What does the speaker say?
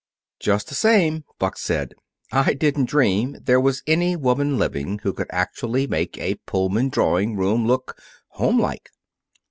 "Just the same," Buck said, "I didn't dream there was any woman living who could actually make a Pullman drawing room look homelike."